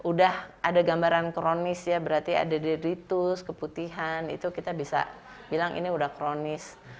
udah ada gambaran kronis ya berarti ada dedritus keputihan itu kita bisa bilang ini udah kronis